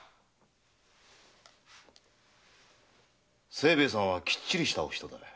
清兵衛さんはキッチリしたお人だ。